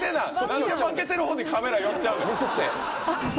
何で負けてる方にカメラ寄っちゃうねん！